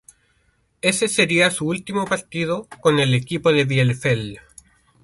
Ese sería su último partido con el equipo de Bielefeld.